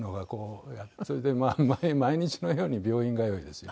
それで毎日のように病院通いですよ。